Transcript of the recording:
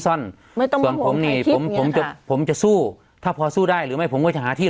ซ่อนไม่ต้องห่วงใครคิดเนี้ยค่ะผมจะสู้ถ้าพอสู้ได้หรือไม่ผมก็จะหาที่